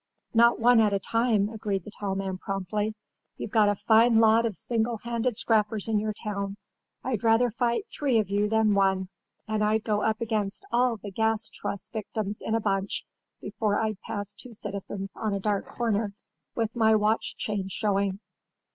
"Not one at a time," agreed the tall man, promptly. "You've got a fine lot of single handed scrappers in your town. I'd rather fight three of you than one; and I'd go up against all the Gas Trust's victims in a bunch before I'd pass two citizens on a dark corner, with my watch chain showing.